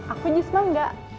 aku jus mah enggak